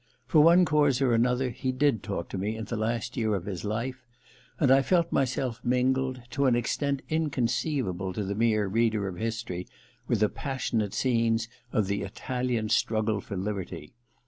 For one cause or another he did talk to me in the last year of his life ; and I felt myself mingled, to an extent inconceivable to the mere reader of history, with the passionate scenes of the Italian struggle for liberty.